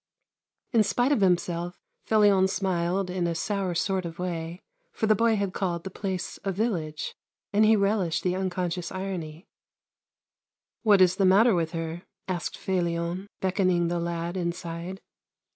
In spite of himself, Felion smiled in a sour sort of way, for the boy had called the place a village, and he relished the unconscious irony. 346 THE LANE THAT HAD NO TURNING "What is the matter with her?" asked FeUon, beckoning the lad inside.